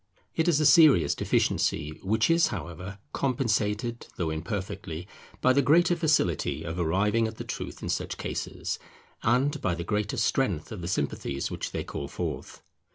It is a serious deficiency, which is, however, compensated, though imperfectly, by the greater facility of arriving at the truth in such cases, and by the greater strength of the sympathies which they call forth.